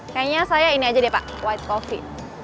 kayaknya saya ini aja deh pak white coffee